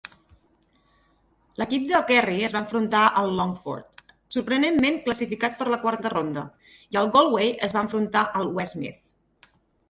L'equip del Kerry es va enfrontar al Longford, sorprenentment classificat per a la quarta ronda, i el Galway es va enfrontar al Westmeath.